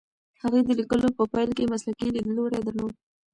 هغې د لیکلو په پیل کې مسلکي لیدلوری درلود.